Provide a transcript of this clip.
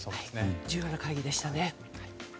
重要な会議でしたね。